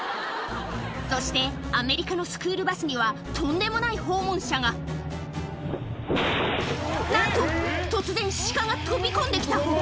そしてアメリカのスクールバスにはとんでもない訪問者がなんと突然シカが飛び込んで来た！